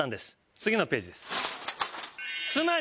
次のページです。